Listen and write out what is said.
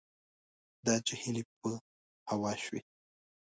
دا چې هیلې په هوا شوې